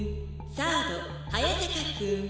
サード早坂くん。